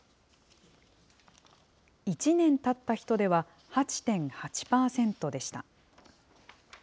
１年たった人では、８．８％でした。